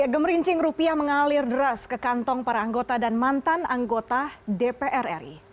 gemerincing rupiah mengalir deras ke kantong para anggota dan mantan anggota dpr ri